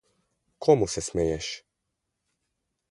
Komu se smeješ?